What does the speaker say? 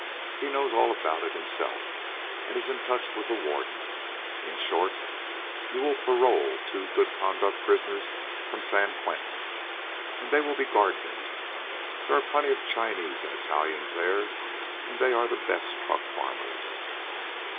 He knows all about it himself, and is in touch with the Warden. In short, you will parole two good conduct prisoners from San Quentin; and they will be gardeners. There are plenty of Chinese and Italians there, and they are the best truck farmers.